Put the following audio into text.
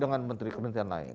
dengan menteri kementerian lain